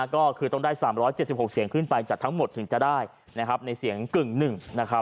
ก็คือต้องได้๓๗๖เสียงขึ้นไปจากทั้งหมดถึงจะได้ในเสียงกึ่งหนึ่งนะครับ